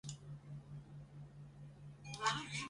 通讷人口变化图示